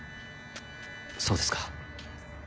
そうですか。